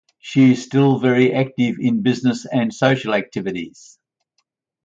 She is still very active in business and social activities.